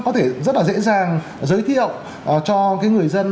có thể rất là dễ dàng giới thiệu cho cái người dân